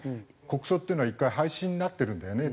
国葬っていうのは１回廃止になってるんだよね